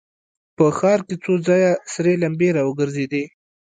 په ښار کې څو ځایه سرې لمبې را وګرځېدې.